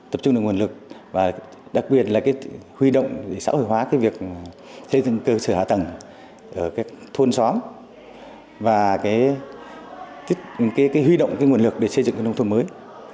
tập trung nguồn lực xây dựng cơ sở hạ tầng thôn xóm huy động nguồn lực để xây dựng nông thôn mới